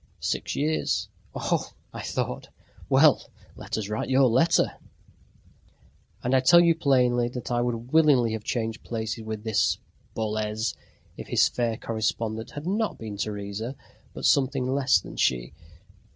"Six years." "Oh, ho!" I thought. "Well, let us write your letter..." And I tell you plainly that I would willingly have changed places with this Boles if his fair correspondent had been not Teresa but something less than she.